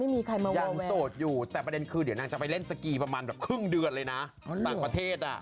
ยังโสดอยู่แต่ประเด็นคือเดี๋ยวนางจะไปเล่นสกีประมาณแบบครึ่งเดือนเลยนะต่างประเทศอ่ะ